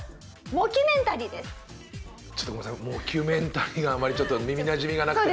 「モキュメンタリー」があんまりちょっと耳なじみがなくて。